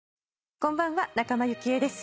こんばんは仲間由紀恵です。